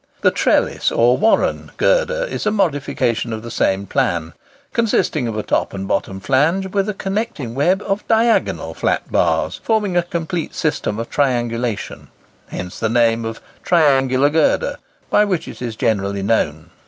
The Trellis or Warren girder is a modification of the same plan, consisting of a top and bottom flange, with a connecting web of diagonal flat bars, forming a complete system of triangulation—hence the name of "Triangular girder," by which it is generally known.